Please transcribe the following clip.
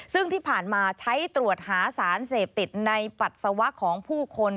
ซึ่งที่ผ่านมาใช้ตรวจหาสารเสพติดในปัสสาวะของผู้คน